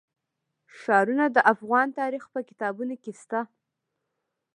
ښارونه د افغان تاریخ په کتابونو کې شته.